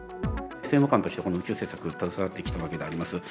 政務官として、この宇宙政策に携わってきたわけであります。